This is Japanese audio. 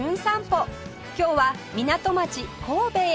今日は港町神戸へ